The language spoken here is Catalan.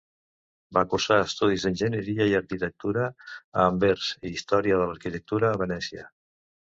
Va cursar estudis d'Enginyeria i Arquitectura a Anvers i Història de l'Arquitectura a Venècia.